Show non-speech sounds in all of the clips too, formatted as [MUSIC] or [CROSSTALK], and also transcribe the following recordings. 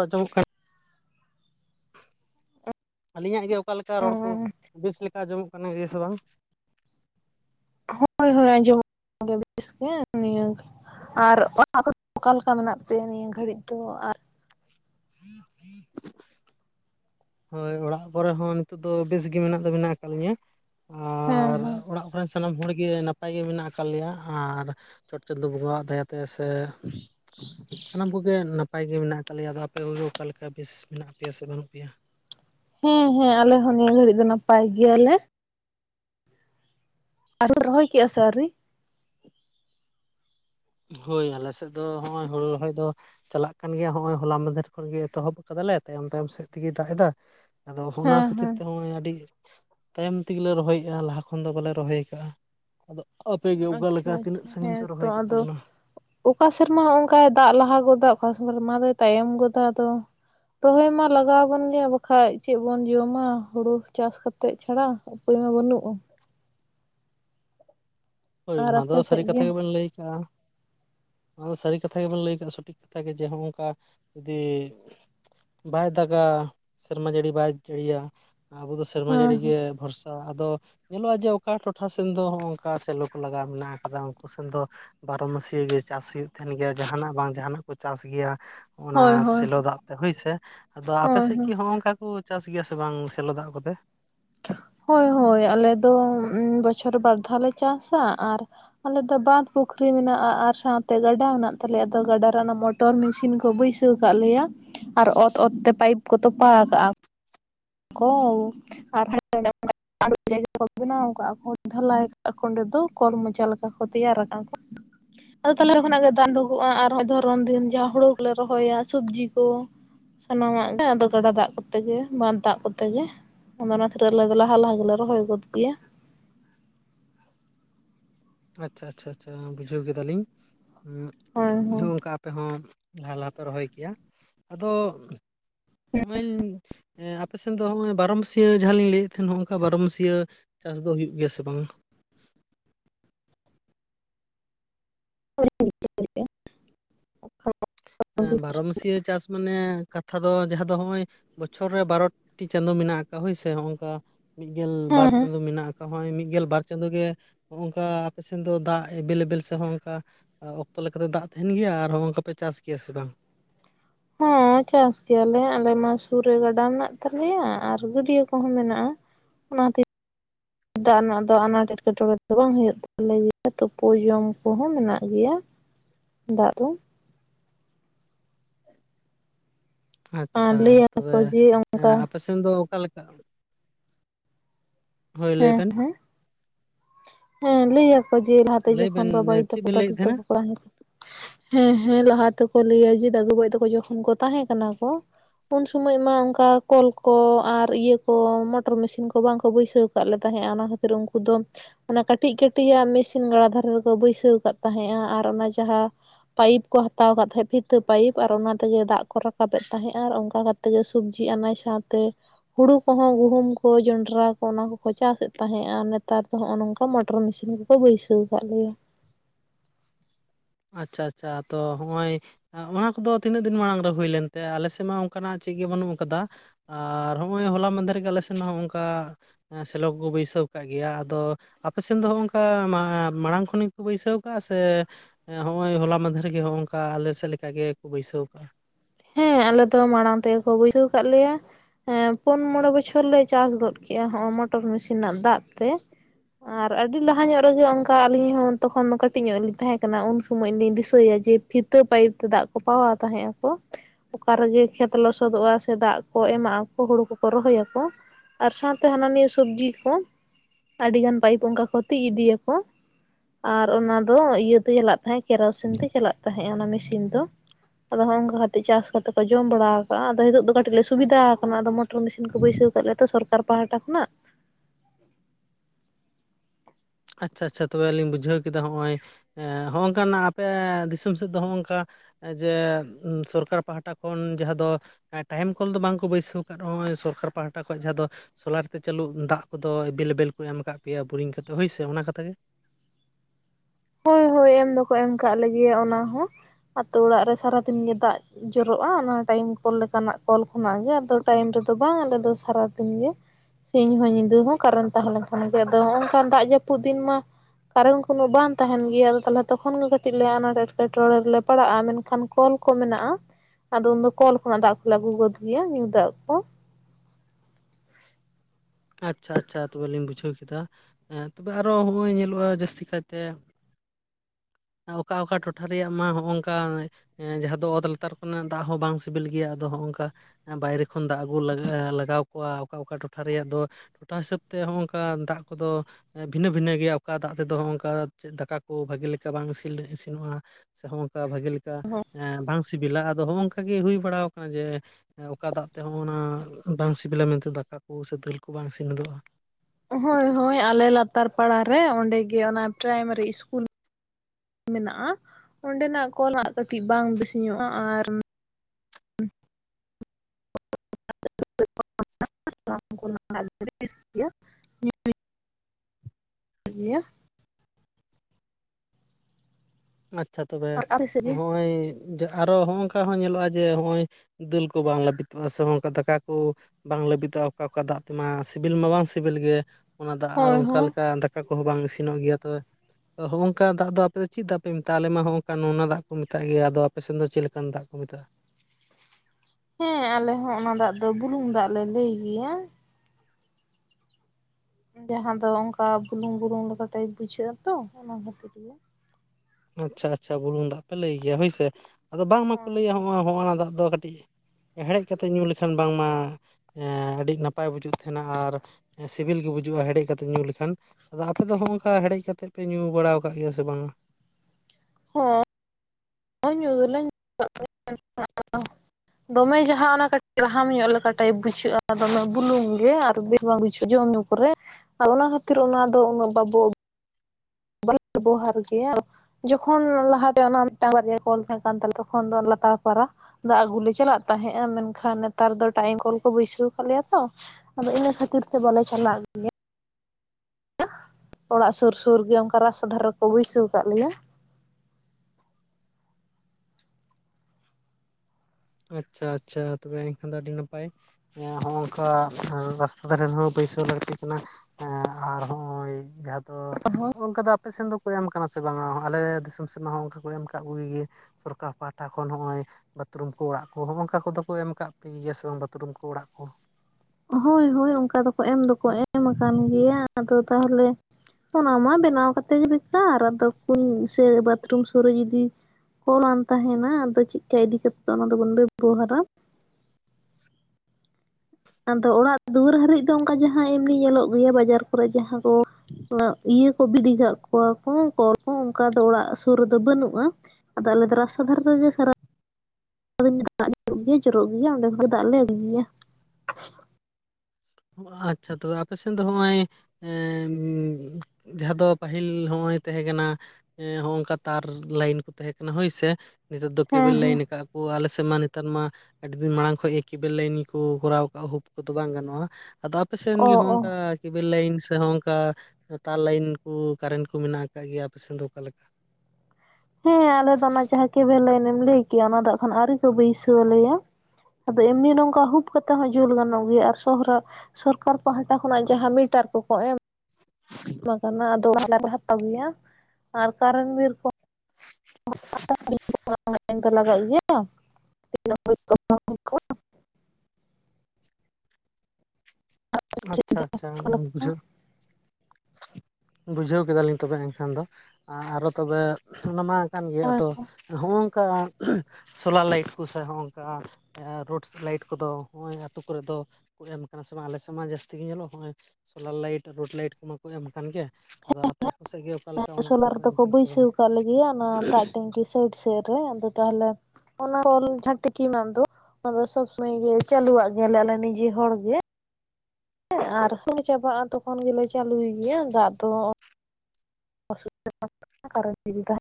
ᱟᱸᱡᱚᱢᱚᱜ ᱠᱟᱱ ᱟᱹᱞᱤᱧᱟᱜ ᱜᱮ ᱚᱠᱟ ᱞᱮᱠᱟ ᱨᱚᱲ ᱠᱚ ᱦᱳᱭ ᱵᱮᱥ ᱞᱮᱠᱟ ᱟᱸᱢᱚᱢᱚᱜ ᱠᱟᱱᱟ ᱥᱮ ᱵᱟᱝ? ᱦᱳᱭ ᱦᱳᱭ ᱟᱸᱡᱚᱢ [UNINTELLIGIBLE] ᱜᱮ ᱵᱮᱥ ᱜᱮ ᱱᱤᱭᱟᱹᱜᱮ ᱟᱨ ᱚᱲᱟᱜ ᱦᱚᱲ ᱚᱠᱟ ᱞᱮᱠᱟ ᱢᱮᱱᱟᱜ ᱯᱮᱭᱟ ᱱᱤᱭᱟᱹ ᱜᱷᱟᱹᱲᱤᱡ ᱫᱚ? ᱟᱨ ᱦᱳᱭ ᱚᱲᱟᱜ ᱠᱚᱨᱮ ᱦᱚᱸ ᱱᱤᱛᱚᱜ ᱫᱚ ᱵᱮᱥ ᱜᱮ ᱢᱮᱱᱟᱜ ᱫᱚ ᱢᱮᱱᱟᱜ ᱟᱠᱟᱫ ᱞᱤᱧᱟᱹ ᱦᱮᱸ ᱟᱨ ᱦᱮᱸ ᱚᱲᱟᱜ ᱠᱚᱨᱮ ᱥᱟᱱᱟᱢ ᱦᱚᱲᱜᱮ ᱱᱟᱯᱟᱭ ᱜᱮ ᱢᱮᱱᱟᱜ ᱟᱠᱟᱫ ᱞᱮᱭᱟ ᱟᱨ ᱪᱚᱴ ᱪᱟᱸᱫᱳ ᱵᱚᱸᱜᱟᱣᱟᱜ ᱫᱟᱭᱟᱛᱮ ᱥᱮ ᱥᱟᱱᱟᱢ ᱠᱚᱜᱮ ᱱᱟᱯ ᱱᱟᱯᱟᱭ ᱜᱮ ᱢᱮᱱᱟᱜ ᱟᱠᱟᱫ ᱞᱮᱭᱟ ᱟᱫᱚ ᱟᱯᱮ ᱠᱚᱜᱮ ᱚᱠᱟ ᱞᱮᱠᱟ ᱵᱮᱥ ᱢᱮᱱᱟᱜ ᱯᱮᱭᱟ ᱥᱮ ᱵᱟᱹᱱᱩᱜ ᱯᱮᱭᱟ? ᱦᱮᱸ ᱦᱮᱸ ᱟᱞᱮ ᱦᱚᱸ ᱱᱤᱭᱟᱹ ᱜᱷᱟᱹᱲᱤᱡ ᱫᱚ ᱱᱟᱯᱟᱭ ᱜᱮᱭᱟᱞᱮ ᱾ [UNINTELLIGIBLE] ᱨᱚᱦᱚᱭ ᱠᱮᱜᱼᱟ ᱥᱮ ᱟᱹᱣᱨᱤ? ᱦᱳᱭ ᱟᱞᱮ ᱥᱮᱫ ᱫᱚ ᱦᱚᱸᱜᱼᱚᱭ ᱦᱩᱲᱩ ᱨᱚᱦᱚᱭ ᱫᱚ ᱪᱟᱞᱟᱜ ᱠᱟᱱ ᱜᱮᱭᱟ ᱦᱚᱜᱼᱚᱭ ᱦᱚᱞᱟ ᱢᱟᱦᱟᱫᱷᱮᱨ ᱠᱷᱚᱱᱜᱮ ᱮᱛᱚᱦᱚᱵ ᱠᱟᱫᱟᱞᱮ ᱛᱟᱭᱚᱢ ᱛᱟᱭᱚᱢ ᱥᱮᱫ ᱛᱮᱜᱮ ᱫᱟᱜ ᱮᱫᱟ ᱟᱫᱚ ᱦᱚᱜᱚᱱᱟ ᱦᱮᱸ ᱠᱷᱟᱹᱛᱤᱨ ᱦᱮᱸ ᱛᱮ ᱦᱚᱸᱚᱭ ᱟᱹᱰᱤ ᱛᱟᱭᱚᱢ ᱛᱮᱜᱮᱞᱮ ᱨᱚᱦᱚᱭᱮᱜᱼᱟ ᱞᱟᱦᱟ ᱠᱷᱚᱱ ᱫᱚ ᱵᱟᱞᱮ ᱨᱚᱦᱚᱭ ᱠᱟᱜ-ᱟ ᱾ ᱟᱫᱚ ᱟᱯᱮ ᱜᱮ ᱚᱠᱟ ᱟᱪᱪᱷᱟ ᱞᱮᱠᱟ ᱛᱤᱱᱟᱹᱜ ᱟᱪᱪᱷᱟ ᱥᱟᱸᱜᱤᱧ ᱦᱮᱸ ᱯᱮ ᱛᱚ ᱨᱚᱦᱚᱭ ᱠᱮᱫᱟ? ᱟᱫᱚ ᱚᱠᱟ ᱥᱮᱨᱢᱟ ᱦᱚᱜᱚᱝᱠᱟᱭ ᱫᱟᱜ ᱞᱟᱦᱟ ᱜᱚᱫᱟ ᱚᱠᱟ ᱥᱮᱨᱢᱟ ᱫᱚᱭ ᱛᱟᱭᱚᱢ ᱜᱚᱫᱟ ᱟᱫᱚ ᱨᱚᱦᱚᱭ ᱢᱟ ᱞᱟᱜᱟᱣ ᱟᱵᱚᱱ ᱜᱮᱭᱟ ᱵᱟᱠᱷᱟᱡ ᱪᱮᱫ ᱵᱚᱱ ᱡᱚᱢᱟ ᱦᱩᱲᱩ ᱪᱟᱥ ᱠᱟᱛᱮᱜ ᱪᱷᱟᱲᱟ ᱾ ᱩᱯᱟᱹᱭ ᱢᱟ ᱵᱟᱹᱱᱩᱜᱼᱟ ᱾ ᱦᱳᱭ ᱟᱨ ᱚᱱᱟ ᱫᱚ ᱟᱯᱮ ᱥᱟᱹᱨᱤ ᱥᱮᱫ ᱜᱮ ᱠᱟᱛᱷᱟ ᱜᱮᱵᱤᱱ ᱞᱟᱹᱭ ᱠᱟᱜ-ᱟ ᱾ ᱚᱱᱟ ᱫᱚ ᱥᱟᱹᱨᱤ ᱠᱟᱛᱷᱟ ᱜᱮᱵᱮᱱ ᱞᱟᱹᱭ ᱠᱟᱜ-ᱟ ᱥᱚᱴᱷᱤᱠ ᱠᱟᱛᱷᱟ ᱜᱮ ᱡᱮ ᱦᱚᱜᱚᱝᱠᱟ ᱡᱩᱫᱤ ᱵᱟᱭ ᱫᱟᱜᱟ ᱥᱮᱨᱢᱟ ᱡᱟᱹᱲᱤ ᱵᱟᱭ ᱡᱟᱹᱲᱤᱭᱟ ᱟᱵᱚ ᱫᱚ ᱥᱮᱨᱢᱟ ᱦᱮᱸ ᱡᱟᱹᱲᱤ ᱜᱮ ᱵᱷᱚᱨᱥᱟ ᱟᱫᱚ ᱧᱮᱞᱚᱜᱟ ᱡᱮ ᱚᱠᱟ ᱴᱚᱴᱷᱟ ᱥᱮᱱ ᱫᱚ ᱦᱚᱜᱚᱝᱠᱟ ᱥᱮ ᱠᱚ ᱞᱟᱜᱟᱣ ᱢᱮᱱᱟᱜ ᱠᱟᱫᱟ ᱩᱱᱠᱩ ᱥᱮᱱ ᱫᱚ ᱵᱟᱨᱚ ᱢᱟᱹᱥᱤᱭᱟ ᱜᱮ ᱪᱟᱥ ᱦᱩᱭᱩᱜ ᱛᱟᱦᱮᱱ ᱜᱮᱭᱟ ᱡᱟᱦᱟᱱᱟᱜ ᱵᱟᱝ ᱡᱟᱦᱟᱱᱟᱜ ᱠᱚ ᱪᱟᱥ ᱜᱮᱭᱟ᱾ ᱦᱚᱜᱱᱟ ᱦᱳᱭ ᱦᱳᱭ ᱥᱮᱞᱳ ᱫᱟᱜ ᱛᱮ ᱦᱩᱭ ᱥᱮ ᱟᱫᱚ ᱟᱯᱮ ᱦᱳᱭ ᱥᱮᱫ ᱠᱤ ᱦᱚᱸᱜᱚᱝᱠᱟ ᱠᱚ ᱪᱟᱥ ᱜᱮᱭᱟ ᱥᱮ ᱵᱟᱝ ᱥᱮᱞᱳ ᱫᱟᱜ ᱠᱚᱛᱮ? ᱦᱳᱭ ᱦᱳᱭ ᱟᱞᱮ ᱫᱚ ᱵᱚᱪᱷᱚᱨ ᱨᱮ ᱵᱟᱨ ᱫᱷᱟᱣ ᱞᱮ ᱪᱟᱥᱟ ᱟᱨ ᱟᱞᱮ ᱫᱚ ᱵᱟᱸᱫ ᱯᱩᱠᱷᱨᱤ ᱢᱮᱱᱟᱜᱼᱟ ᱟᱨ ᱥᱟᱶᱛᱮ ᱜᱟᱰᱟ ᱢᱮᱱᱟᱜ ᱛᱟᱞᱮᱭᱟ ᱟᱫᱚ ᱜᱟᱰᱟ ᱨᱮ ᱚᱱᱟ ᱢᱚᱴ ᱴᱚᱨ ᱢᱤᱥᱤᱱ ᱠᱚ ᱵᱟᱹᱭᱥᱟᱹᱣ ᱠᱟᱫ ᱞᱮᱭᱟ ᱟᱨ ᱚᱛ ᱚᱛ ᱛᱮ ᱯᱟᱭᱤᱯ ᱠᱚ ᱛᱚᱯᱟ ᱠᱟᱜ-ᱟ᱾ ᱠᱚ ᱟᱨ [UNINTELLIGIBLE] [INAUDIBLE] ᱡᱟᱭᱜᱟ ᱠᱚ ᱵᱮᱱᱟᱣ ᱟᱜ-ᱟ ᱠᱚ ᱰᱷᱟᱞᱟᱭ ᱠᱟᱜᱟ ᱠᱚ ᱚᱸᱰᱮ ᱫᱚ ᱠᱚᱞ ᱢᱚᱪᱟ ᱞᱮᱠᱟ ᱠᱚ ᱛᱮᱭᱟᱨ ᱟᱠᱜ-ᱟ ᱠᱚ᱾ ᱟᱫᱚ ᱛᱟᱦᱚᱞᱮ ᱚᱱᱰᱮ ᱠᱷᱚᱱᱟᱜ ᱜᱮ ᱫᱟᱜ ᱳᱰᱳᱠᱚᱜᱟ ᱟᱨ ᱦᱚᱸᱜᱚᱭ ᱫᱷᱚᱨᱚᱱ ᱫᱤᱱ ᱡᱟᱦᱟᱸ ᱦᱳᱲᱳ ᱠᱚᱞᱮ ᱨᱚᱦᱚᱭᱟ ᱥᱚᱵᱽᱡᱤ ᱠᱚ ᱥᱟᱱᱟᱢᱟᱜ ᱜᱮ ᱟᱫᱚ ᱜᱟᱰᱟ ᱫᱟᱜ ᱠᱚᱛᱮ ᱜᱮ ᱵᱟᱸᱫᱷ ᱫᱟᱜ ᱠᱚᱛᱮ ᱜᱮ ᱚᱱᱟ ᱠᱷᱟᱛᱤᱨ ᱜᱮ ᱞᱟᱦᱟ ᱞᱟᱦᱟ ᱜᱮᱞᱮ ᱨᱚᱦᱚᱭ ᱜᱚᱫ ᱜᱮᱭᱟ᱾ ᱟᱪᱷᱟ ᱟᱪᱷᱟ ᱟᱪᱷᱟ ᱵᱩᱡᱷᱟᱹᱣ ᱠᱮᱫᱟᱞᱤᱧ, ᱦᱳᱭ ᱦᱳᱭ ᱱᱚᱝᱠᱟ ᱟᱯᱮ ᱦᱚᱸ ᱞᱟᱦᱟ ᱞᱟᱦᱟ ᱯᱮ ᱨᱚᱦᱚᱭ ᱠᱮᱜ-ᱟ ᱟᱫᱚ ᱱᱚᱜᱚᱭ ᱮᱸᱜ ᱟᱯᱮ ᱥᱮᱱ ᱫᱚ ᱱᱚᱜᱚᱭ ᱵᱟᱨᱚ ᱢᱟᱹᱥᱤᱭᱟᱹ ᱡᱟᱦᱟᱸ ᱞᱤᱧ ᱞᱟᱹᱭᱮᱫ ᱛᱟᱦᱮᱸᱱ ᱦᱚᱸᱜᱚᱝᱠᱟ ᱵᱟᱨᱚ ᱢᱟᱹᱥᱤᱭᱟᱹ ᱪᱟᱥ ᱫᱚ ᱦᱩᱭᱩᱜ ᱜᱮᱭᱟ ᱥᱮ ᱵᱟᱝ? [UNINTELLIGIBLE] ᱮᱸᱜ ᱵᱟᱨᱚ ᱢᱟᱹᱥᱤᱭᱟᱹ ᱪᱟᱥ ᱢᱟᱱᱮ ᱠᱟᱛᱷᱟ ᱫᱚ ᱡᱟᱦᱟᱸ ᱫᱚ ᱦᱚᱸᱜᱚᱭ ᱵᱚᱪᱷᱚᱨ ᱨᱮ ᱵᱟᱨᱚᱴᱤ ᱪᱟᱸᱫᱳ ᱢᱮᱱᱟᱜ ᱟᱠᱟᱜ ᱦᱳᱭᱥᱮ ᱦᱚᱜᱚᱝᱠᱟ ᱢᱤᱫ ᱜᱮᱞ ᱵᱟᱨ ᱦᱮᱸ ᱦᱮᱸ ᱪᱟᱸᱫᱳ ᱢᱮᱱᱟᱜ ᱦᱚᱸᱚᱭ ᱢᱤᱫ ᱜᱮᱞ ᱵᱟᱨ ᱪᱟᱸᱫᱳ ᱜᱮ ᱱᱚᱜᱚᱝᱠᱟ ᱟᱯᱮ ᱥᱮᱱ ᱫᱚ ᱫᱟᱜ ᱮᱵᱮᱞ ᱮᱵᱮᱞ ᱥᱮ ᱦᱚᱸᱜᱚᱝᱠᱟ ᱚᱠᱛᱚ ᱞᱮᱠᱟ ᱛᱮ ᱫᱟᱜ ᱛᱟᱦᱮᱱ ᱜᱮᱭᱟ ᱟᱨ ᱦᱚᱸᱜᱚᱝᱠᱟ ᱯᱮ ᱪᱟᱥ ᱜᱮᱭᱟ ᱥᱮ ᱵᱟᱝ? ᱦᱮᱸ ᱪᱟᱥ ᱜᱮᱭᱟᱞᱮ ᱟᱞᱮ ᱢᱟ ᱥᱩᱨ ᱨᱮ ᱜᱟᱰᱟ ᱢᱮᱱᱟᱜ ᱛᱟᱞᱮᱭᱟ ᱟᱨ ᱜᱟᱹᱰᱭᱟ ᱠᱚᱦᱚᱸ ᱢᱮᱱᱟᱜ-ᱟ ᱚᱱᱟ ᱛᱮ ᱫᱟᱜ ᱨᱮᱱᱟᱜ ᱫᱚ ᱟᱱᱟ ᱮᱴᱠᱮᱴᱚᱬᱮ ᱫᱚ ᱵᱟᱝ ᱦᱳᱭᱳᱜ ᱵᱷᱟᱞᱮ ᱜᱮᱭᱟ ᱛᱳᱯᱳ ᱡᱚᱢ ᱠᱚ ᱦᱚᱸ ᱢᱮᱱᱟᱜ ᱜᱮᱭᱟ ᱫᱟᱜ ᱫᱚ ᱟᱪᱷᱟ ᱟᱨ ᱛᱚᱵᱮ ᱞᱟᱹᱭᱟᱠᱚ ᱡᱮ ᱚᱱᱠᱟ ᱟᱯᱮ ᱥᱮᱱ ᱫᱚ ᱚᱠᱟ ᱞᱮᱠᱟ? ᱦᱳᱭ ᱞᱟᱹᱭ ᱦᱮᱸ ᱵᱮᱱ ᱦᱮᱸ ᱞᱟᱹᱭᱟᱠᱚ ᱡᱮ ᱞᱟᱦᱟᱛᱮ ᱞᱟᱹᱭ ᱡᱚᱠᱷᱚᱱ ᱵᱮᱱ ᱵᱟᱵᱟᱭᱩ ᱪᱮᱫ ᱛᱟᱠᱚ ᱵᱮᱱ ᱫᱟᱫᱩ ᱞᱟᱹᱭᱮᱫ ᱛᱟᱦᱮᱱᱟ ᱛᱟᱠᱩ ᱠᱟᱱ ᱦᱮᱸ ᱦᱮᱸ ᱞᱟᱦᱟ ᱛᱮᱠᱚ ᱞᱟᱹᱭᱟ ᱡᱮ ᱫᱟᱫᱩ ᱜᱚᱭ ᱛᱟᱠᱚ ᱡᱚᱠᱷᱚᱱ ᱠᱚ ᱛᱟᱦᱮᱸ ᱠᱟᱱᱟ ᱠᱚ ᱩᱱ ᱥᱳᱢᱳᱡ ᱢᱟ ᱚᱱᱠᱟ ᱠᱚᱞ ᱠᱚ ᱟᱨ ᱤᱭᱟᱹ ᱠᱚ ᱢᱚᱴᱚᱨ ᱢᱮᱥᱤᱱ ᱵᱟᱝᱠᱚ ᱵᱟᱹᱭᱥᱟᱹᱣ ᱠᱟᱜ ᱞᱮ ᱛᱟᱦᱮᱜᱟ ᱚᱱᱟ ᱠᱷᱟᱹᱛᱤᱨ ᱩᱝᱠᱩ ᱫᱚ ᱚᱱᱟ ᱠᱟᱹᱴᱤᱡ ᱠᱟᱹᱴᱤᱡ ᱟᱜ ᱢᱮᱥᱤᱱ ᱜᱟᱰᱟ ᱫᱷᱟᱨᱮ ᱨᱮ ᱠᱚ ᱵᱟᱹᱭᱥᱟᱹᱣ ᱠᱟᱫ ᱛᱟᱦᱮᱸᱫᱟ ᱟᱨ ᱚᱱᱟ ᱡᱟᱦᱟᱸ ᱯᱟᱭᱤᱯ ᱠᱚ ᱦᱟᱛᱟᱣ ᱠᱟᱫ ᱛᱟᱦᱮᱸᱜ ᱯᱷᱤᱛᱟᱹ ᱯᱟᱭᱤᱯ ᱟᱨ ᱚᱱᱟ ᱛᱮᱜᱮ ᱫᱟᱜ ᱠᱚ ᱨᱟᱠᱟᱵᱮᱫ ᱛᱟᱦᱮᱸᱜᱟ ᱟᱨ ᱚᱱᱠᱟ ᱠᱟᱛ ᱛᱮᱜᱮ ᱥᱚᱵᱡᱤ ᱟᱱᱟᱡᱽ ᱥᱟᱶᱛᱮ ᱦᱩᱲᱩ ᱠᱚᱦᱚᱸ ᱜᱩᱦᱩᱢ ᱠᱚ ᱡᱚᱱᱰᱨᱟ ᱠᱚ ᱚᱱᱟ ᱠᱚ ᱠᱚ ᱪᱟᱥᱮᱫ ᱛᱟᱦᱮᱸᱜ-ᱟ ᱱᱮᱛᱟᱨ ᱫᱚ ᱦᱚᱜᱚ ᱱᱚᱝ ᱢᱚᱴᱚᱨ ᱢᱮᱥᱤᱱ ᱠᱚᱠᱚ ᱵᱟᱹᱭᱥᱟᱹᱣ ᱠᱟᱫ ᱞᱮᱭᱟ ᱟᱪᱷᱟ ᱟᱪᱷᱟ ᱛᱚ ᱦᱚᱜᱚᱭ ᱚᱱᱟ ᱠᱚ ᱫᱚ ᱛᱤᱱᱟᱹᱜ ᱫᱤᱱ ᱢᱟᱲᱟᱝ ᱨᱮ ᱦᱩᱭ ᱞᱮᱱ ᱛᱮ? ᱟᱞᱮ ᱥᱮᱫ ᱢᱟ ᱚᱱᱠᱟᱱᱟᱜ ᱪᱮᱫ ᱜᱮ ᱵᱟᱹᱱᱩᱜ ᱠᱟᱫᱟ᱾ ᱟᱨ ᱦᱚᱸᱜᱚᱭ ᱦᱚᱞᱟ ᱢᱟᱫᱷᱮᱨ ᱜᱮ ᱟᱞᱮ ᱥᱮᱱ ᱦᱚᱸᱜᱚᱝᱠᱟ ᱥᱮᱞᱚᱠ ᱠᱚᱠᱚ ᱵᱟᱹᱭᱥᱟᱹᱣ ᱠᱟᱜ ᱜᱮᱭᱟ ᱟᱫᱚ ᱟᱯᱮ ᱥᱮᱱ ᱫᱚ ᱦᱚᱜᱚᱝ ᱠᱟ ᱢᱟ ᱢᱟᱲᱟᱝ ᱠᱷᱚᱱ ᱜᱮᱠᱚ ᱵᱟᱹᱭᱥᱟᱹᱣ ᱠᱟᱜ-ᱟ ᱥᱮ? ᱦᱮ ᱦᱚᱸᱜᱚᱭ ᱦᱚᱞᱟ ᱢᱟᱫᱷᱮᱨ ᱜᱮ ᱦᱚᱸᱜᱚᱝ ᱠᱟ ᱟᱞᱮᱥᱮᱫ ᱞᱮᱠᱟ ᱜᱮᱠᱚ ᱵᱟᱹᱭᱥᱟᱹᱣ ᱠᱟᱜ-ᱟ ᱦᱮᱸ ᱟᱞᱮ ᱫᱚ ᱢᱟᱲᱟᱝ ᱛᱮᱜᱮᱠᱚ ᱵᱟᱹᱭᱥᱟᱹᱣ ᱠᱟᱫ ᱞᱮᱭᱟ ᱦᱮᱸ ᱯᱩᱱ ᱢᱚᱬᱮ ᱵᱚᱪᱷᱚᱨ ᱞᱮ ᱪᱟᱥ ᱜᱚᱫ ᱠᱮᱜ-ᱟ ᱦᱚᱜᱚ ᱢᱚᱴᱚᱨ ᱢᱤᱥᱤᱱ ᱨᱮᱱᱟᱜ ᱫᱟᱜ ᱛᱮ ᱟᱨ ᱟᱹᱰᱤ ᱞᱟᱦᱟ ᱧᱚᱜ ᱨᱮᱜᱮ ᱚᱱᱠᱟ ᱟᱹᱞᱤᱧ ᱦᱚᱸ ᱛᱚᱠᱷᱚᱱ ᱫᱚ ᱠᱟᱹᱴᱤᱡ ᱧᱚᱜ ᱞᱤᱧ ᱛᱟᱦᱮᱸ ᱠᱟᱱᱟ ᱩᱱ ᱥᱚᱢᱚᱭ ᱞᱤᱧ ᱫᱤᱥᱟᱹᱭᱟ ᱡᱮ ᱯᱷᱤᱛᱟᱹ ᱯᱟᱭᱤᱯ ᱛᱮ ᱫᱟᱜ ᱠᱚ ᱯᱟᱣᱟᱣ ᱛᱟᱦᱮᱸ ᱟᱠᱚ ᱚᱠᱟ ᱨᱮᱜᱮ ᱠᱷᱮᱛ ᱞᱚᱥᱚᱫᱚᱜ-ᱟ ᱥᱮ ᱫᱟᱜ ᱠᱚ ᱮᱢᱟᱜ ᱟᱠᱚ ᱦᱩᱲᱩ ᱠᱚᱠᱚ ᱨᱚᱦᱚᱭᱟᱠᱚ ᱟᱨ ᱥᱟᱶᱛᱮ ᱦᱟᱱᱟ ᱱᱤᱭᱟᱹ ᱥᱚᱵᱡᱤ ᱠᱚ ᱟᱹᱰᱤᱜᱟᱱ ᱯᱟᱭᱤᱯ ᱚᱱᱠᱟ ᱠᱚ ᱛᱤᱡ ᱤᱫᱤᱭᱟᱠᱚ ᱟᱨ ᱚᱱᱟ ᱫᱚ ᱤᱭᱟᱹᱛᱮ ᱪᱟᱞᱟᱜ ᱛᱟᱦᱮᱸ ᱠᱮᱨᱚᱥᱤᱱ ᱛᱮ ᱪᱟᱞᱟᱜ ᱛᱟᱦᱮᱸᱜ ᱚᱱᱟ ᱢᱤᱥᱤᱱ ᱫᱚ ᱟᱫᱚ ᱦᱚᱜᱚᱝ ᱠᱟ ᱠᱟᱛ ᱛᱮ ᱪᱟᱥ ᱠᱟᱛᱮ ᱠᱚ ᱡᱚᱢ ᱵᱟᱲᱟ ᱠᱟᱜ-ᱟ ᱟᱫᱚ ᱦᱤᱛᱳᱜ ᱫᱚ ᱠᱟᱹᱴᱤᱡ ᱥᱩᱵᱤᱫᱷᱟ ᱠᱟᱱᱟ ᱟᱫᱚ ᱢᱚᱴᱚᱨ ᱢᱮᱥᱤᱱ ᱠᱚ ᱵᱟᱹᱭᱥᱟᱹᱣ ᱠᱟᱜ ᱞᱮᱭᱟ ᱛᱚ ᱥᱚᱨ ᱠᱟᱨ ᱯᱟᱦᱟᱴᱟ ᱠᱷᱚᱱᱟᱜ ᱟᱪᱪᱷᱟ ᱟᱪᱪᱷᱟ ᱛᱚᱵᱮ ᱟᱹᱞᱤᱧ ᱵᱩᱡᱷᱟᱹᱣ ᱠᱮᱫᱟ ᱱᱚᱜᱚᱭ ᱦᱚᱸᱜᱚᱝᱠᱟ ᱱᱟᱜ ᱟᱯᱮ ᱫᱤᱥᱚᱢ ᱥᱮᱫ ᱫᱚ ᱱᱚᱜᱚᱱᱠᱟ ᱮ ᱡᱮ ᱥᱚᱨᱠᱟᱨ ᱯᱟᱦᱴᱟ ᱠᱷᱚᱱ ᱡᱟᱦᱟᱸ ᱫᱚ ᱮ ᱴᱟᱭᱤᱢ ᱠᱚᱞ ᱫᱚ ᱵᱟᱝᱠᱚ ᱵᱟᱹᱭᱥᱟᱹᱣ ᱠᱟᱫ ᱨᱮᱦᱚ ᱥᱚᱨᱠᱟᱨ ᱯᱟᱦᱴᱟ ᱠᱷᱚᱡ ᱡᱟᱦᱟᱸ ᱫᱚ ᱥᱳᱞᱟᱨ ᱛᱮ ᱪᱟᱹᱞᱩ ᱫᱟᱜ ᱠᱚᱫᱚ ᱮᱵᱮᱞᱮᱵᱮᱞ ᱠᱚ ᱮᱢ ᱠᱟᱜ ᱯᱮᱭᱟ ᱵᱩᱨᱤᱝ ᱠᱟᱛᱮᱜ ᱦᱳᱭᱥᱮ ᱚᱱᱟ ᱠᱟᱛᱷᱟ ᱜᱮ ᱦᱳᱭ ᱦᱳᱭ ᱮᱢ ᱫᱚᱠᱚ ᱮᱢ ᱠᱟᱜ ᱞᱮᱜᱮᱭᱟ ᱚᱱᱟ ᱦᱚᱸ ᱟᱛᱳ ᱚᱲᱟᱜ ᱨᱮ ᱥᱟᱨᱟ ᱫᱤᱱ ᱜᱮ ᱫᱟᱜ ᱡᱚᱨᱚᱜ-ᱟ ᱚᱱᱟ ᱴᱟᱭᱤᱢ ᱠᱚᱞ ᱞᱮᱠᱟᱱᱟᱜ ᱠᱚᱞ ᱠᱷᱚᱱᱟᱜ ᱜᱮ ᱟᱫᱚ ᱴᱟᱭᱤᱢ ᱨᱮᱫᱚ ᱵᱟᱝ ᱟᱞᱮ ᱫᱚ ᱥᱟᱨᱟᱫᱤᱱ ᱜᱮ ᱥᱤᱧ ᱦᱚᱸ ᱧᱤᱫᱟᱹ ᱦᱚᱸ ᱠᱟᱨᱮᱱᱴ ᱛᱟᱦᱮᱸ ᱞᱮᱱᱠᱷᱟᱱ ᱜᱮ ᱟᱫᱟ ᱱᱚᱜ ᱠᱟᱱ ᱫᱟᱜ ᱡᱟᱹᱯᱩᱫ ᱫᱤᱱ ᱢᱟ ᱠᱟᱨᱚᱱ ᱠᱚᱱᱚ ᱵᱟᱝ ᱛᱟᱦᱮᱱ ᱜᱮᱭᱟ ᱛᱟᱦᱞᱮ ᱛᱚᱠᱷᱚᱱ ᱜᱮ ᱠᱟᱹᱴᱤᱡ ᱞᱮ ᱟᱱᱟᱴ ᱮᱴᱠᱮᱴᱚᱬᱮ ᱨᱮᱞᱮ ᱯᱟᱲᱟᱜ-ᱟ ᱢᱮᱱᱠᱷᱟᱱ ᱠᱚᱞ ᱠᱚ ᱢᱮᱱᱟᱜ-ᱟ ᱟᱫᱚ ᱩᱱᱫᱚ ᱠᱚᱞ ᱠᱷᱚᱱᱟᱜ ᱫᱟᱜ ᱠᱚᱞᱮ ᱟᱹᱜᱩ ᱜᱚᱫ ᱜᱮᱭᱟ ᱧᱩ ᱫᱟᱜ ᱠᱚ ᱟᱪᱪᱷᱟ ᱟᱪᱪᱷᱟ ᱛᱚᱵᱮ ᱞᱤᱧ ᱵᱩᱡᱷᱟᱹᱣ ᱠᱮᱫᱟ ᱦᱮᱸ ᱛᱚᱵᱮ ᱟᱨᱚ ᱦᱚᱸᱜᱚᱭ ᱧᱮᱞᱚᱜ-ᱟ ᱡᱟᱹᱥᱛᱤ ᱠᱟᱭᱛᱮ ᱚᱠᱟ ᱚᱠᱟ ᱴᱚᱴᱷᱟ ᱨᱮᱭᱟᱜ ᱢᱟ ᱦᱚᱜᱚᱝ ᱠᱟᱭ ᱦᱮᱸ ᱡᱟᱦᱟᱸ ᱫᱚ ᱚᱛ ᱞᱟᱛᱟᱨ ᱠᱷᱚᱱᱟᱜ ᱫᱟᱜ ᱦᱚᱸ ᱵᱟᱝ ᱥᱤᱵᱤᱞ ᱜᱮᱭᱟ ᱟᱫᱚ ᱦᱚᱸᱜᱚᱝᱠᱟ ᱵᱟᱭᱨᱮ ᱠᱷᱚᱱ ᱫᱟᱜ ᱟᱹᱜᱩ ᱞᱟᱜᱟᱜ-ᱟ ᱞᱟᱜᱟᱣ ᱠᱚᱣᱟ ᱚᱠᱟ ᱚᱠᱟ ᱴᱚᱴᱷᱟ ᱨᱮᱭᱟᱜ ᱫᱚ ᱴᱚᱴᱷᱟ ᱦᱤᱥᱟᱹᱵ ᱛᱮ ᱦᱚᱸᱜᱼᱚᱝᱠᱟ ᱫᱟᱜᱽ ᱠᱚᱫᱚᱼᱼ ᱵᱷᱤᱱᱟᱹ ᱵᱷᱤᱱᱟᱹ ᱜᱮᱭᱟ, ᱚᱠᱟ ᱫᱟᱜᱽ ᱛᱮᱫᱚ ᱦᱚᱸᱜ-ᱚᱝᱠᱟ ᱫᱟᱠᱟ ᱠᱚ ᱵᱷᱟᱹᱜᱤ ᱞᱮᱠᱟ ᱵᱟᱝ ᱤᱥᱤᱱ ᱤᱥᱤᱱᱚᱜᱼᱟ ᱾ ᱦᱚᱸᱜ ᱚᱝᱠᱟ ᱵᱷᱟᱜᱤ ᱞᱮᱠᱟ ᱮᱸ ᱵᱟᱝ ᱥᱤᱵᱤᱞᱟ ᱟᱫᱚ ᱦᱚᱸᱜᱼᱚᱝᱠᱟ ᱜᱮ ᱦᱩᱭ ᱵᱟᱲᱟᱣ ᱟᱠᱟᱱᱟ ᱡᱮᱼᱼ ᱚᱠᱟ ᱫᱟᱜᱽ ᱛᱮ ᱦᱚᱸᱜ-ᱱᱟ ᱵᱟᱝ ᱥᱤᱵᱤᱞᱟ ᱢᱮᱱᱛᱮ ᱫᱟᱠᱟ ᱠᱚ ᱥᱮ ᱫᱟᱹᱞ ᱠᱚ ᱵᱟᱝ ᱤᱥᱤᱱ ᱦᱚᱫᱚᱜᱼᱟ ᱾ ᱦᱳᱭ ᱦᱳᱭ ᱟᱞᱮ ᱞᱟᱛᱟᱨ ᱯᱟᱲᱟ ᱨᱮ ᱚᱸᱰᱮ ᱜᱮ ᱚᱱᱟ ᱯᱨᱟᱭᱢᱟᱨᱤ ᱤᱥᱠᱩᱞᱼᱼ ᱢᱮᱱᱟᱜᱼᱟ, ᱚᱸᱰᱮᱱᱟᱜ ᱠᱚᱞ ᱱᱷᱟᱜ ᱠᱟᱹᱴᱤᱜ ᱵᱟᱝ ᱵᱮᱥ ᱧᱚᱜᱼᱟ ᱟᱨᱼᱼ [UNINTELLIGIBLE] [UNINTELLIGIBLE] ᱵᱮᱥ ᱜᱮᱭᱟ [UNINTELLIGIBLE] ᱴᱷᱤᱠ ᱜᱮᱭᱟ ᱾ ᱟᱪᱪᱷᱟ ᱛᱚᱵᱮ ᱟᱨ ᱟᱯᱮ ᱥᱮᱫ ᱜᱮ ᱦᱚᱸᱜᱼᱚᱭᱼᱼ ᱡᱮ ᱟᱨᱚ ᱦᱚᱸᱜᱼᱚᱝᱠᱟ ᱦᱚᱸ ᱧᱮᱞᱚᱜᱼᱟ, ᱡᱮ ᱱᱚᱜᱼᱚᱭ ᱫᱟᱹᱞ ᱠᱚ ᱵᱟᱝ ᱞᱟᱹᱵᱤᱛᱚᱜᱼᱟ ᱥᱮ ᱦᱚᱸᱜᱼᱚᱝᱠᱟ ᱫᱟᱠᱟ ᱠᱚᱼᱼ ᱵᱟᱝ ᱞᱟᱹᱵᱤᱫᱚᱜᱼᱟ ᱚᱠᱟ ᱚᱠᱟ ᱫᱟᱜᱽ ᱛᱮᱢᱟ ᱥᱤᱵᱤᱞ ᱢᱟ ᱵᱟᱝ ᱥᱤᱵᱤᱞ ᱜᱮ ᱾ ᱚᱱᱟ ᱫᱟᱜᱽ ᱟᱨ ᱦᱳᱭ ᱚᱱᱠᱟ ᱦᱳᱭ ᱞᱮᱠᱟ ᱫᱟᱠᱟ ᱠᱚᱦᱚᱸ ᱤᱥᱤᱱᱚᱜ ᱜᱮᱭᱟ, ᱛᱚᱵᱮ ᱦᱚᱸᱜ-ᱚᱝᱠᱟ ᱫᱟᱜᱽ ᱫᱚ ᱟᱯᱮ ᱫᱚ ᱪᱤᱜ ᱫᱟᱜᱽ? ᱛᱟᱦᱞᱮ ᱢᱟ ᱦᱚᱸᱜ-ᱚᱝᱠᱟ ᱱᱚᱱᱟ ᱫᱟᱜᱽ ᱠᱚ ᱢᱮᱛᱟᱜ ᱜᱮᱭᱟ ᱟᱫᱚ ᱟᱯᱮ ᱥᱮᱱ ᱫᱚ ᱪᱮᱜ ᱞᱮᱠᱟᱱ ᱫᱟᱜᱽ ᱠᱚ ᱢᱮᱛᱟᱜᱼᱟ? ᱦᱮᱸ ᱟᱞᱮ ᱦᱚᱸ ᱚᱱᱟ ᱫᱟᱜᱽ ᱫᱚ ᱵᱩᱞᱩᱝ ᱫᱟᱜᱽ ᱞᱮ ᱞᱟᱹᱭ ᱜᱮᱭᱟ ᱾ ᱡᱟᱦᱟᱸ ᱫᱚ ᱚᱝᱠᱟ ᱵᱩᱞᱩᱝᱼᱵᱩᱞᱩᱝ ᱞᱮᱠᱟ ᱴᱟᱭᱤᱯ ᱵᱩᱡᱷᱟᱹᱜᱼᱟ ᱛᱚ ᱚᱱᱟ ᱠᱷᱟᱹᱛᱤᱨ ᱜᱮ ᱾ ᱟᱪᱪᱷᱟ ᱟᱪᱪᱷᱟ ᱵᱩᱞᱩᱝ ᱫᱟᱜᱽ ᱯᱮ ᱞᱟᱹᱭ ᱜᱮᱭᱟ ᱦᱚᱭᱥᱮ ᱟᱫᱚ ᱵᱟᱝ ᱢᱟ ᱠᱚ ᱞᱟᱹᱭᱟ ᱦᱚᱸᱜᱼᱚᱭ ᱱᱚᱜᱼᱱᱟ ᱫᱟᱜᱽ ᱫᱚ ᱠᱟᱹᱴᱤᱡᱼᱼ ᱦᱮᱲᱮᱜ ᱠᱟᱛᱮᱜ ᱧᱩ ᱞᱮᱠᱷᱟᱱ ᱵᱟᱝ ᱢᱟᱼᱼ ᱦᱮᱸ ᱟᱹᱰᱤᱜ ᱱᱟᱯᱟᱭ ᱵᱩᱡᱩᱜ ᱛᱟᱦᱮᱸᱱᱟ ᱟᱨ ᱥᱤᱵᱤᱞ ᱜᱮ ᱵᱩᱡᱩᱜᱼᱟ, ᱦᱮᱰᱮᱜ ᱠᱟᱛᱮᱜ ᱧᱩ ᱞᱮᱠᱷᱟᱱ ᱾ ᱟᱫᱚ ᱟᱯᱮ ᱫᱚ ᱦᱚᱸᱜᱼᱚᱝᱠᱟ ᱦᱮᱰᱮᱜ ᱠᱟᱛᱮᱜ ᱯᱮ ᱧᱩ ᱵᱟᱲᱟ ᱟᱠᱟᱣ ᱜᱮᱭᱟ ᱥᱮ ᱵᱟᱝ? ᱦᱚᱸᱻ ᱦᱚᱸ ᱧᱩ ᱫᱚ ᱞᱮ [UNINTELLIGIBLE] [UNINTELLIGIBLE] ᱾ [UNINTELLIGIBLE] ᱫᱚᱢᱮ ᱡᱟᱦᱟᱸ ᱚᱱᱟ ᱠᱟᱹᱴᱤᱡ ᱨᱟᱦᱟᱢ ᱧᱚᱜ ᱞᱮᱠᱟ ᱴᱟᱭᱤᱯ ᱵᱩᱡᱷᱟᱹᱜᱼᱟ, ᱫᱚᱢᱮ ᱵᱩᱞᱩᱝᱼᱼ ᱜᱮ ᱟᱨ ᱵᱮᱨ ᱢᱟ ᱵᱩᱡᱩᱜ ᱡᱚᱢᱼ ᱧᱩ ᱠᱚᱨᱮᱜ ᱟᱨ ᱚᱱᱟ ᱠᱷᱟᱹᱛᱤᱨ ᱚᱱᱟ ᱫᱚ ᱩᱱᱟᱹᱜ ᱵᱟᱵᱚᱼᱼ ᱵᱟᱵᱚ ᱵᱮᱵᱚᱦᱟᱨ ᱜᱮᱭᱟ ᱾ ᱡᱚᱠᱷᱚᱱ ᱞᱟᱦᱟᱛᱮ ᱚᱱᱟ ᱢᱤᱫᱴᱟᱼ ᱵᱟᱨᱭᱟ ᱠᱚᱞ ᱛᱟᱦᱮᱸ ᱠᱟᱱ ᱛᱟᱞᱮᱭᱟ ᱛᱚᱠᱷᱚᱱ ᱫᱚ ᱞᱟᱛᱟᱨ ᱯᱟᱨᱟ ᱫᱟᱜᱽ ᱟᱹᱜᱩ ᱞᱮ ᱪᱟᱞᱟᱜ ᱛᱟᱦᱮᱸᱜᱼᱟ, ᱢᱮᱱᱠᱷᱟᱱ ᱱᱮᱛᱟᱨ ᱫᱚ ᱴᱟᱭᱤᱢ ᱠᱚᱞ ᱠᱚ ᱵᱟᱹᱭᱥᱟᱹᱣ ᱠᱟᱜ ᱞᱮᱭᱟ ᱛᱚ᱾ ᱟᱫᱚ ᱤᱱᱟᱹ ᱠᱷᱟᱹᱛᱤᱨ ᱛᱮ ᱵᱚᱞᱮ ᱪᱟᱞᱟᱜ ᱜᱮᱭᱟ ᱾ ᱚᱲᱟᱜ ᱥᱩᱨ ᱥᱩᱨ ᱜᱮ ᱚᱝᱠᱟ ᱨᱟᱥᱛᱟ ᱫᱷᱟᱨᱮ ᱨᱮᱠᱚ ᱵᱟᱹᱭᱥᱟᱹᱣ ᱟᱠᱟᱜ ᱞᱮᱭᱟ ᱾ ᱟᱪᱪᱷᱟ ᱟᱪᱪᱷᱟ ᱛᱚᱵᱮ ᱮᱱᱠᱷᱟᱱ ᱫᱚ ᱟᱹᱰᱤ ᱱᱟᱯᱟᱭ ᱾ ᱦᱚᱸᱜᱼᱚ ᱚᱝᱠᱟ ᱨᱟᱥᱛᱟ ᱫᱷᱟᱨᱮ ᱨᱮᱦᱚᱸ ᱵᱟᱹᱭᱥᱟᱹᱣ ᱞᱟᱹᱠᱛᱤᱜ ᱠᱟᱱᱟ ᱾ ᱦᱮᱸ ᱟᱨ ᱦᱚᱸᱜᱼᱚᱭ ᱡᱟᱦᱟᱸ ᱫᱚ ᱚᱱᱠᱟ ᱫᱚᱼᱼ ᱟᱯᱮ ᱥᱮᱱ ᱫᱚᱠᱚ ᱮᱢ ᱠᱟᱱᱟ ᱥᱮ ᱵᱟᱝᱼᱟ? ᱟᱞᱮ ᱫᱤᱥᱚᱢ ᱥᱮᱱ ᱢᱟ ᱦᱚᱸᱜ ᱚᱝᱠᱟ ᱠᱚ ᱮᱢ ᱠᱟᱜ ᱠᱚᱜᱮ ᱜᱮ ᱾ ᱥᱚᱨᱠᱟᱨ ᱯᱟᱦᱴᱟ ᱠᱷᱚᱱ ᱱᱚᱜ-ᱚᱭ ᱵᱟᱛᱷᱨᱩᱢᱼᱼ ᱚᱲᱟᱜ ᱠᱚ ᱦᱚᱸᱜ ᱚᱝᱠᱟ ᱠᱚᱫᱚ ᱠᱚ ᱮᱢ ᱠᱟᱜ ᱯᱮ ᱜᱮᱭᱟ ᱥᱮ ᱵᱟᱝ ᱵᱟᱛᱷᱨᱩᱢ ᱠᱚ ᱚᱲᱟᱜ ᱠᱚ? ᱦᱳᱭ ᱦᱳᱭ ᱚᱝᱠᱟ ᱫᱚᱠᱚ ᱮᱢ ᱫᱚᱠᱚ ᱮᱢ ᱠᱟᱱ ᱜᱮᱭᱟ ᱟᱫᱚ ᱛᱟᱦᱞᱮ-ᱼ ᱚᱱᱟ ᱢᱟ ᱵᱮᱱᱟᱣ ᱠᱟᱛᱮᱜ ᱜᱮ ᱵᱮᱠᱟᱨ ᱟᱫᱚ ᱠᱩᱧ ᱥᱮ ᱵᱟᱛᱷᱨᱩᱢ ᱥᱩᱨ ᱨᱮ ᱡᱩᱫᱤ ᱠᱚᱞᱟᱱ ᱛᱟᱦᱮᱸᱱᱟ ᱟᱫᱚ ᱪᱤᱜᱠᱟ ᱤᱫᱤ ᱠᱟᱛᱮᱜ ᱫᱚ ᱚᱱᱟ ᱫᱚᱵᱚᱱ ᱵᱮᱵᱚᱦᱟᱨᱟ ᱾ ᱟᱫᱚ ᱚᱲᱟᱜ ᱫᱩᱣᱟᱹᱨ ᱦᱟᱹᱨᱤᱡ ᱫᱚ ᱚᱱᱴᱝᱠᱟ ᱡᱟᱦᱟᱸ ᱮᱢᱱᱤ ᱧᱮᱞᱚᱜ ᱜᱮᱭᱟ, ᱵᱟᱡᱟᱨ ᱠᱚᱨᱮ ᱡᱟᱦᱟᱸ ᱠᱚ ᱤᱭᱟᱹ ᱠᱚ ᱵᱤᱫᱤ ᱟᱠᱟᱜ ᱠᱚᱣᱟ ᱠᱚ ᱠᱚᱞ ᱠᱚ ᱚᱝᱠᱟ ᱫᱚ ᱚᱲᱟᱜ ᱥᱩᱨ ᱨᱮᱫᱚ ᱵᱟᱹᱱᱩᱜᱼᱟ ᱾ ᱟᱫᱚ ᱟᱞᱮ ᱫᱚ ᱨᱟᱥᱛᱟ ᱫᱷᱟᱨᱮ ᱨᱮᱜᱮ ᱥᱟᱨᱟ ᱟᱫᱚ ᱚᱸᱵᱮ ᱦᱚᱸ ᱫᱟᱜᱽ ᱫᱚ ᱡᱚᱨᱚᱜ ᱜᱮᱭᱟ ᱾ ᱚᱸᱰᱮ ᱠᱷᱚᱱ ᱜᱮ ᱫᱟᱜᱽ ᱞᱮ ᱟᱹᱜᱩᱭ ᱜᱮᱭᱟ ᱾ ᱚ ᱟᱪᱪᱷᱟ ᱛᱚᱵᱮ ᱚᱯᱮ ᱥᱮᱱ ᱫᱚ ᱱᱚᱜ-ᱚᱭ ᱮᱸᱻ ᱩᱸᱻ ᱡᱟᱦᱟᱸ ᱫᱚ ᱯᱟᱹᱦᱤᱞ ᱦᱚᱸᱜᱼᱚᱭ ᱛᱟᱦᱮᱸ ᱠᱟᱱᱟ ᱮᱸ ᱦᱚᱸᱜ ᱚᱝᱠᱟ ᱛᱟᱨ ᱞᱟᱭᱤᱱ ᱠᱚ ᱛᱟᱦᱮᱸ ᱠᱟᱱᱟ ᱦᱳᱭᱥᱮ ᱱᱤᱛᱟᱜ ᱫᱚ ᱦᱮᱸ ᱠᱮᱵᱤᱞ ᱦᱮᱸ ᱞᱟᱭᱤᱱ ᱠᱟᱜ ᱠᱚ ᱟᱞᱮ ᱥᱮᱜ ᱢᱟ ᱱᱮᱛᱟᱨ ᱢᱟ ᱟᱹᱰᱤ ᱫᱤᱱ ᱢᱟᱲᱟᱝ ᱠᱷᱚᱱ ᱜᱮ ᱠᱮᱵᱮᱤᱞ ᱞᱟᱹᱭᱤᱱᱤ ᱠᱚ ᱠᱚᱨᱟᱣ ᱟᱠᱟᱜᱼᱟ ᱾ ᱦᱩᱯ ᱠᱚᱫᱚ ᱵᱟᱝ ᱜᱟᱱᱚᱜᱼᱟ, ᱟᱫᱚ ᱟᱯᱮᱥᱮᱱ ᱚ ᱜᱮ ᱚ ᱦᱚᱸᱜᱼᱚᱝᱠᱟᱭ ᱠᱮᱵᱤᱞ ᱞᱟᱹᱭᱤᱱ ᱥᱮ ᱦᱚᱸᱜᱼᱚᱝᱠᱟ ᱛᱟᱨ ᱞᱟᱹᱭᱤᱱ ᱠᱩ ᱠᱟᱨᱮᱱᱴ ᱠᱚ ᱢᱮᱱᱟᱜ ᱟᱠᱟᱜ ᱜᱮᱭᱟ ᱟᱯᱮᱥᱮᱱ ᱫᱚ ᱚᱠᱟ ᱞᱮᱠᱟ? [INAUDIBLE] ᱦᱮᱸ ᱟᱞᱮ ᱫᱚ ᱚᱱᱟ ᱡᱟᱦᱟᱸ ᱠᱮᱵᱤᱞ ᱞᱟᱹᱭᱤᱱ ᱮᱢ ᱞᱟᱹᱭ ᱠᱮᱜ-ᱟ ᱚᱱᱟ ᱫᱚ ᱚᱠᱷᱚᱱ ᱟᱹᱣᱨᱤ ᱠᱚ ᱵᱟᱹᱭᱥᱟᱹᱣ ᱟᱞᱮᱭᱟ᱾ ᱟᱫᱚ ᱮᱢᱱᱤ ᱱᱚᱝᱠᱟ ᱦᱩᱯᱷ ᱠᱟᱛᱮ ᱦᱚᱸ ᱡᱩᱞ ᱜᱟᱱᱚᱜ ᱜᱮᱭᱟ ᱟᱨ ᱥᱚᱦᱨᱟ ᱥᱚᱨᱠᱟᱨ ᱯᱟᱦᱴᱟ ᱠᱷᱚᱱᱟᱜ ᱡᱟᱦᱟᱸ ᱢᱤᱴᱟᱨ ᱠᱚᱠᱚ ᱮᱢ ᱮᱢ ᱠᱟᱱᱟ ᱟᱫᱚ [INAUDIBLE] ᱟᱜᱩᱭᱟ ᱟᱨ ᱠᱟᱨᱮᱱ ᱵᱤᱨ ᱠᱚ [INAUDIBLE] ᱫᱚ ᱞᱟᱜᱟᱜ ᱜᱮᱭᱟ [INAUDIBLE] ᱟᱪᱪᱷᱟ ᱟᱪᱪᱷᱟ ᱚᱸ ᱵᱩᱡᱷᱟᱹᱣ᱾ ᱵᱩᱡᱷᱟᱹᱣ ᱠᱮᱫᱟᱞᱤᱧ ᱛᱚᱵᱮ ᱮᱝᱠᱷᱟᱱ ᱫᱚ ᱟᱨᱚ ᱛᱚᱵᱮ ᱚᱱᱟ ᱢᱟ ᱠᱟᱱ ᱜᱮᱭᱟ ᱟᱫᱚ ᱦᱚᱸᱜᱼ ᱚᱝᱠᱟ ᱟᱸ ᱥᱚᱞᱟᱨ ᱞᱟᱹᱭᱤᱴ ᱠᱚ ᱥᱮ ᱦᱚᱸᱜᱼᱚᱝᱠᱟ ᱮᱸ ᱨᱳᱰᱥ ᱞᱟᱹᱭᱤᱴ ᱠᱚᱫᱚ ᱦᱚᱸᱜᱼᱚᱭ ᱟᱸᱛᱩ ᱠᱚᱨᱮ ᱫᱚ ᱠᱚ ᱮᱢ ᱠᱟᱱᱟ ᱥᱮ ᱵᱟᱝ ᱟᱞᱮ ᱥᱮᱫ ᱟᱭᱢᱟ ᱡᱟᱹᱥᱛᱤ ᱜᱮ ᱧᱮᱞᱚᱜ, ᱦᱚᱸᱜ-ᱚᱭ ᱥᱳᱞᱟᱨ ᱞᱟᱹᱭᱤᱴ ᱨᱩᱴ ᱞᱟᱹᱭᱤᱴ ᱠᱚᱢᱟ ᱠᱚ ᱮᱢ ᱠᱟᱱ ᱜᱮᱭᱟ᱾ ᱦᱮᱸ [INAUDIBLE] ᱥᱳᱞᱟᱨ ᱠᱚ ᱮᱢ ᱫᱚᱠᱚ ᱠᱟᱱᱟ ᱥᱮ ᱵᱟᱹᱭᱥᱟᱹᱣ ᱵᱟᱝ ᱠᱟᱜ ᱞᱮᱜᱮᱭᱟ ᱚᱱᱟ ᱫᱟᱜ ᱴᱟᱹᱝᱠᱤ ᱥᱟᱹᱭᱤᱰ ᱥᱮᱜ ᱨᱮ ᱟᱫᱚ ᱛᱟᱦᱮᱞᱮ ᱚᱱᱟ ᱠᱚ ᱚᱞ ᱡᱟᱦᱟᱸ ᱴᱤᱠᱤ ᱦᱮᱸᱱᱟᱜ ᱫᱚ, ᱚᱱᱟ ᱫᱚ ᱥᱚᱵᱽ ᱥᱩᱢᱚᱭ ᱜᱮ ᱪᱟᱹᱞᱩᱣᱟᱜ ᱜᱮᱭᱟᱞᱮ ᱟᱞᱮ ᱱᱤᱡᱟᱹ ᱦᱚᱲ ᱜᱮ᱾ ᱟᱨᱦᱚᱸᱞᱮ ᱪᱟᱵᱟᱜᱼᱟ ᱛᱚᱠᱷᱚᱱ ᱜᱮᱞᱮ ᱪᱟᱹᱞᱩᱭ ᱜᱮᱭᱟ ᱫᱟᱜ ᱫᱚ [INAUDIBLE] ᱠᱟᱨᱮᱱ ᱞᱤᱫᱤᱧ ᱛᱟᱦᱮᱸᱫ᱾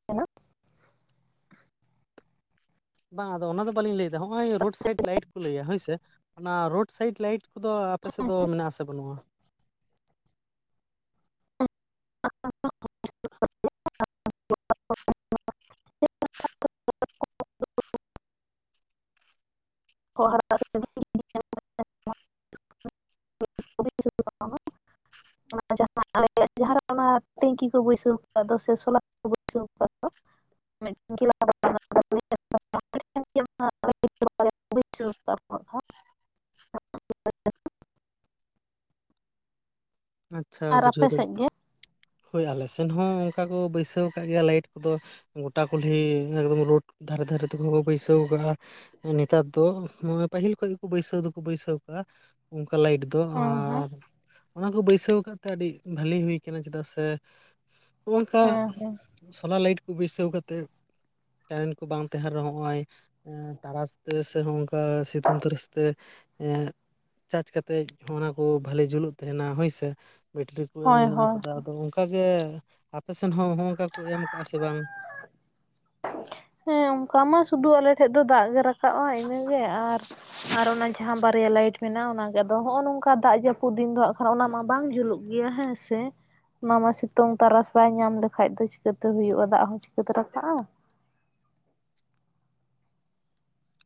ᱵᱟᱝ ᱟᱫᱚ ᱚᱱᱟ ᱫᱚ ᱵᱟᱹᱞᱤᱧ ᱞᱟᱹᱭ ᱮᱫᱟ ᱦᱚᱸᱜᱼᱚᱭ ᱨᱳᱰ ᱥᱟᱹᱭᱤᱰ ᱞᱟᱹᱭᱤᱴ ᱠᱚ ᱞᱟᱹᱭᱼᱟ ᱦᱳᱭᱥᱮ, ᱚᱱᱟ ᱨᱳᱰ ᱥᱟᱹᱭᱤᱰ ᱞᱟᱹᱭᱤᱴ ᱠᱚᱫᱚ ᱟᱯᱮ ᱥᱮᱫ ᱫᱚ ᱢᱮᱱᱟᱜ-ᱟ ᱥᱮ ᱵᱟᱹᱱᱩᱜᱼᱟ? [UNINTELLIGIBLE] [UNINTELLIGIBLE] ᱠᱚᱲᱟ ᱦᱚᱲ [UNINTELLIGIBLE] [UNINTELLIGIBLE] ᱚᱱᱟ ᱡᱟᱦᱟᱸ ᱟᱞᱮᱭᱟᱜ ᱡᱟᱦᱟᱸ ᱨᱮ [UNINTELLIGIBLE] ᱚᱱᱟ ᱴᱟᱹᱝᱠᱤ ᱠᱚ ᱵᱟᱹᱭᱥᱟᱹᱣ ᱟᱠᱟᱫ ᱫᱚ ᱥᱮ ᱥᱳᱞᱟᱨ ᱠᱚ ᱵᱟᱹᱭᱥᱟᱹᱣ ᱟᱠᱟᱫ ᱫᱚ ᱢᱤᱫ [UNINTELLIGIBLE] [INAUDIBLE] [UNINTELLIGIBLE] ᱵᱟᱹᱭᱥᱟᱹᱣ ᱟᱠᱟᱜ ᱠᱚ ᱦᱟᱸᱜ ᱛᱟᱦᱮᱸᱱ᱾ ᱟᱪᱪᱷᱟ ᱟᱨ ᱵᱩᱡᱷᱟᱹᱣ ᱟᱯᱮ ᱫᱟᱲᱤᱫ, ᱥᱮᱫ ᱜᱮ ᱦᱳᱭ ᱟᱞᱮ ᱥᱮᱱ ᱦᱚᱸ ᱚᱸᱠᱟ ᱠᱚ ᱵᱟᱹᱭᱥᱟᱹᱣ ᱟᱠᱟᱜ ᱜᱮᱭᱟ ᱞᱟᱹᱭᱤᱴ ᱠᱚᱫᱚ᱾ ᱜᱳᱴᱟ ᱠᱩᱞᱦᱤ ᱮᱠᱫᱚᱢ ᱨᱳᱰ ᱫᱷᱟᱨᱮ ᱫᱷᱟᱨᱮ ᱛᱮᱠᱚ [UNINTELLIGIBLE] ᱵᱟᱹᱭᱥᱟᱹᱣ ᱟᱠᱟᱜᱼᱟ᱾ ᱮᱸ ᱱᱮᱛᱟᱨ ᱫᱚ ᱢᱟᱱᱮ ᱯᱟᱹᱦᱤᱞ ᱠᱷᱚᱡ ᱜᱮ ᱵᱟᱹᱭᱥᱟᱹᱣ ᱫᱚᱠᱚ ᱵᱟᱹᱭᱥᱟᱹᱣ ᱟᱠᱟᱜᱼᱟ ᱚᱸᱠᱟ ᱞᱟᱹᱭᱤᱴ ᱛᱚ ᱦᱮᱸ ᱦᱮᱸ ᱟᱨ ᱚᱱᱟ ᱠᱚᱞᱮ ᱵᱟᱹᱭᱥᱟᱹᱣ ᱟᱠᱟᱫ ᱛᱮ ᱟᱹᱰᱤ ᱵᱷᱟᱹᱞᱤ ᱦᱩᱭ ᱠᱟᱱᱟ ᱪᱮᱫᱟᱜ ᱥᱮ, ᱚᱸᱠᱟᱜ ᱦᱮᱸ ᱦᱮᱸ ᱥᱳᱞᱟᱨ ᱞᱟᱹᱭᱤᱴ ᱠᱚ ᱵᱟᱹᱭᱥᱟᱹᱣ ᱠᱟᱛᱮᱜ, ᱛᱟᱦᱮᱸᱱ ᱠᱩ ᱵᱟᱝ ᱛᱟᱦᱮᱸᱱ ᱨᱮᱦᱚᱸ ᱦᱚᱸᱜᱼᱚᱸᱭ ᱮᱸ ᱛᱟᱨᱟᱥ ᱛᱮ ᱥᱮ ᱦᱚᱸᱜᱼᱚᱝᱠᱟ ᱥᱤᱛᱩᱝ ᱛᱟᱹᱨᱟᱥ ᱛᱮ ᱮᱸ ᱪᱟᱡᱽ ᱠᱟᱛᱮᱡ ᱦᱚᱸ ᱚᱱᱟ ᱠᱚ ᱵᱷᱟᱞᱮ ᱡᱩᱞᱩᱜ ᱛᱟᱦᱮᱱᱟ ᱦᱳᱭ ᱥᱮ ᱵᱮᱴᱨᱤ ᱠᱚ ᱮᱢ ᱦᱳᱭ ᱢᱮᱱᱟᱜ ᱦᱳᱭ ᱟᱠᱟᱫᱟ ᱟᱫᱚ ᱚᱝ- ᱠᱟ ᱜᱮ ᱟᱯᱮᱥᱮᱱ ᱦᱚᱸ ᱦᱚᱸᱜᱼᱚᱝᱠᱟ ᱠᱚ ᱮᱢ ᱟᱠᱟᱜᱼᱟ ᱥᱮ ᱵᱟᱝ? ᱦᱮᱸ ᱚᱝᱠᱟ ᱢᱟ ᱥᱩᱫᱷᱩ ᱟᱞᱮ ᱴᱷᱮᱡ ᱫᱚ ᱫᱟᱜ ᱜᱮ ᱨᱟᱠᱟᱵᱼᱟ ᱤᱱᱟᱹ ᱜᱮ ᱟᱨ ᱟᱨ ᱚᱱᱟ ᱡᱟᱦᱟᱸ ᱵᱟᱨᱭᱟ ᱞᱟᱹᱭᱤᱴ ᱢᱮᱱᱟᱜᱼᱟ, ᱚᱱᱟ ᱜᱮ ᱟᱫᱚ ᱦᱚᱸᱜᱼᱚ ᱱᱚᱝᱠᱟ ᱫᱟᱜ ᱡᱟᱹᱯᱩᱫ ᱫᱤᱱ ᱫᱚ ᱦᱟᱸᱜ ᱠᱷᱟᱱ ᱚᱱᱟ ᱢᱟ ᱵᱟᱝ ᱡᱩᱞᱩᱜ ᱜᱮᱭᱟ ᱦᱮᱸ ᱥᱮ? ᱚᱱᱟ ᱢᱟ ᱥᱤᱛᱩᱝ ᱛᱟᱨᱟᱥ ᱵᱟᱭ ᱧᱟᱢ ᱞᱮᱠᱷᱟᱡ ᱫᱚ ᱪᱤᱠᱟᱹᱛᱮ ᱦᱩᱭᱩᱜᱼᱟ, ᱫᱟᱜ ᱦᱚᱸ ᱪᱤᱠᱟᱹᱛᱮ ᱨᱟᱠᱟᱵᱼᱟ᱾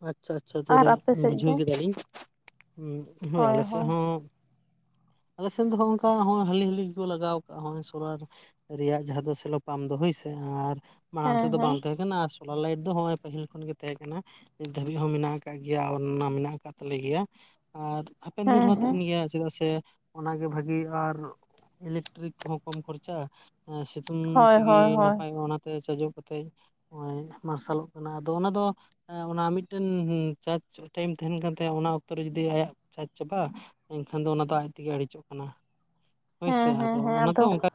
ᱟᱪᱪᱷᱟ ᱟᱪᱪᱷᱟ ᱟᱨ ᱪᱚᱞᱮ ᱟᱯᱮ ᱥᱮᱫ ᱵᱩᱡᱷᱟᱹᱣ ᱜᱮ ᱠᱮᱫᱟ ᱞᱤᱧ, ᱦᱩᱸ ᱦᱳᱭ ᱟᱞᱮ ᱥᱮᱜ ᱦᱚᱸ ᱟᱞᱮ ᱥᱮᱱ ᱫᱚ ᱦᱟᱸᱜ ᱚᱸᱠᱟ ᱦᱚᱸᱜᱼᱚᱸᱭ ᱦᱟᱹᱞᱤ ᱦᱟᱹᱞᱤ ᱜᱮ ᱠᱚ ᱞᱟᱜᱟᱣ ᱟᱠᱟᱜ ᱦᱚᱸᱜᱼᱚᱸᱭ ᱥᱚᱨᱦᱟᱭ ᱨᱮ᱾ ᱨᱮᱭᱟᱜ ᱡᱟᱦᱟ ᱫᱚ ᱥᱮᱞᱚ ᱯᱟᱢᱯ ᱫᱚ ᱦᱳᱭ ᱥᱮ ᱟᱨ ᱢᱟᱲᱟᱝ ᱦᱮᱸ ᱛᱮᱫᱚ ᱦᱮᱸ ᱵᱟᱝ ᱛᱟᱦᱮᱸ ᱠᱟᱱᱟ ᱟᱨ ᱥᱳᱞᱟᱨ ᱞᱟᱭᱤᱴ ᱦᱚᱜ-ᱚᱭ ᱯᱟᱹᱦᱤᱞ ᱠᱷᱚᱱ ᱜᱮ ᱛᱟᱦᱮᱸ ᱠᱟᱱᱟ᱾ ᱱᱤᱛ ᱫᱷᱟᱹᱵᱤᱡ ᱦᱚᱸ ᱢᱮᱱᱟᱜ ᱟᱠᱟᱫ ᱜᱮᱭᱟ ᱚᱱᱱᱟ ᱢᱮᱱᱟᱜ ᱠᱟᱫ ᱛᱟᱞᱮ ᱜᱮᱭᱟ ᱟᱨ ᱦᱟᱯᱮᱱ ᱫᱤᱱ ᱦᱮᱸ ᱨᱮᱦᱚᱸ ᱦᱮᱸ ᱛᱮᱦᱮᱱ ᱜᱮᱭᱟ ᱪᱮᱫᱟᱜ ᱥᱮ ᱚᱱᱟᱜᱮ ᱵᱷᱟᱹᱜᱤ ᱟᱨ ᱤᱞᱮᱠᱴᱨᱤᱠ ᱠᱚᱦᱚᱸ ᱠᱚᱢ ᱠᱷᱚᱨᱪᱟ᱾ ᱥᱤᱛᱩᱝ ᱦᱳᱭ ᱛᱮᱜᱮ ᱦᱳᱭ ᱦᱳᱭ ᱱᱟᱯᱟᱭᱚᱜ-ᱟ ᱚᱱᱟᱛᱮ ᱪᱟᱡᱚᱜ ᱠᱟᱛᱮ ᱱᱚᱜ-ᱚᱭ ᱢᱟᱨᱥᱟᱞᱚᱜ ᱠᱟᱱᱟ ᱟᱫᱚ ᱚᱱᱟ ᱫᱚ ᱚᱱᱟ ᱢᱤᱫᱴᱮᱱ ᱪᱟᱨᱡ ᱴᱟᱭᱤᱢ ᱛᱟᱸᱦᱮᱱ ᱠᱟᱱ ᱛᱟᱭᱟ, ᱚᱱᱟ ᱚᱠᱛᱚᱨᱮ ᱡᱚᱫᱤ ᱟᱭᱟᱜ ᱪᱟᱨᱡ ᱪᱟᱵᱟᱜ-ᱟ᱾ ᱮᱱᱠᱷᱟᱱ ᱫᱚ ᱚᱱᱟ ᱫᱚ ᱟᱡ ᱛᱮᱜᱮ ᱟᱲᱤᱡᱚᱜ ᱠᱟᱱᱟ ᱦᱮᱸ ᱦᱳᱭᱥᱮ, ᱦᱮᱸ ᱟᱫᱚ ᱦᱮᱸ ᱚᱱᱟ ᱫᱚ ᱚᱝᱠᱟ